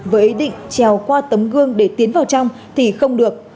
với ý định trèo qua tấm gương để tiến vào trong thì không được